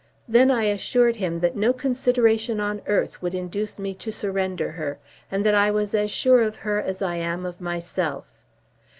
Then I assured him that no consideration on earth would induce me to surrender her, and that I was as sure of her as I am of myself.